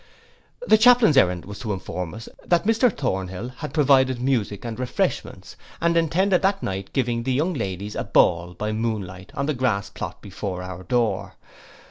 The chaplain's errand was to inform us, that Mr Thornhill had provided music and refreshments, and intended that night giving the young ladies a ball by moon light, on the grass plot before our door.